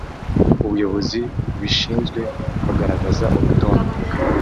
Ubuyobozi bubishinzwe bugaragaza urutonde